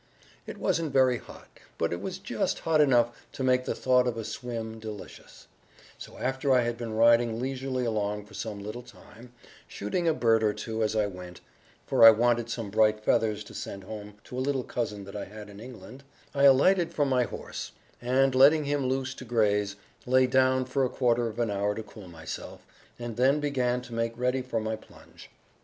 "It wasn't very hot, but it was just hot enough to make the thought of a swim delicious; so after I had been riding leisurely along for some little time, shooting a bird or two as I went, for I wanted some bright feathers to send home to a little cousin that I had in England, I alighted from my horse, and, letting him loose to graze, lay down for a quarter of an hour to cool myself, and then began to make ready for my plunge.